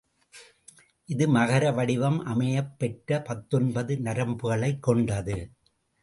இது, மகர வடிவம் அமையப் பெற்றுப் பத்தொன்பது நரம்புகளைக் கொண்டது.